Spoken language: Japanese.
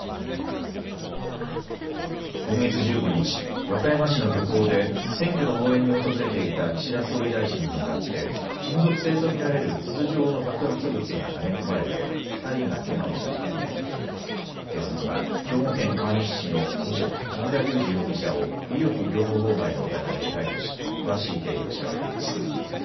今月１５日、和歌山市の漁港で選挙の応援に訪れていた岸田総理大臣に向かって金属製と見られる筒状の爆発物が投げ込まれて２人がけがをした事件で警察は兵庫県川西市の無職、木村隆二容疑者を威力業務妨害の疑いで逮捕し詳しい経緯を調べています。